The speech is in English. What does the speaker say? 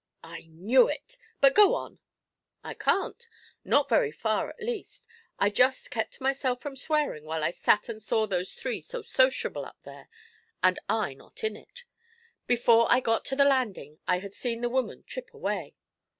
'I knew it; but go on.' 'I can't, not very far at least. I just kept myself from swearing while I sat and saw those three so sociable up there, and I not in it. Before I got to the landing I had seen the woman trip away.'